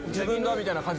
みたいな感じで。